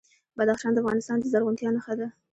بدخشان د افغانستان د زرغونتیا نښه ده.